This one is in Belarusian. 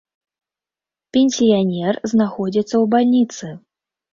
Пенсіянер знаходзіцца ў бальніцы.